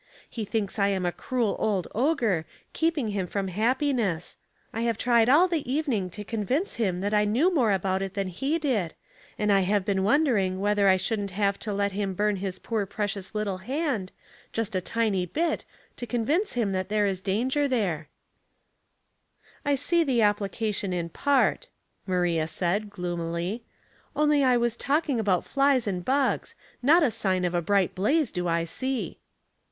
He thinks I am a cruel old ogre, keeping him from happiness. I have tried all the evening to convince him that I knew more about it than he did, and I have been wondering whether I Bhouldn't have to let hira burn his poor precious little hand, just a tiny bit, to convince him that there is danger there." 812 Household Puzzles, " I see the application in part," Maria said, gloomily. " Only I was talking about flies and bugs — not a sign of a bright blaze do I see."